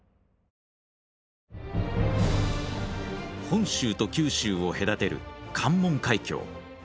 本州と九州を隔てる関門海峡。